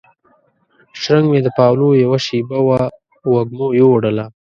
شرنګ مې د پاولو یوه شیبه وه وږمو یووړله